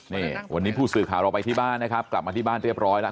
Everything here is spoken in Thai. นี่วันนี้ผู้สื่อข่าวเราไปที่บ้านนะครับกลับมาที่บ้านเรียบร้อยแล้ว